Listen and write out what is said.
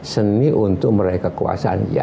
seni untuk meraih kekuasaan